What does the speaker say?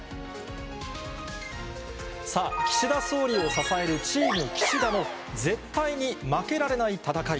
さあ、岸田総理を支えるチーム岸田の絶対に負けられない戦い。